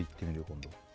今度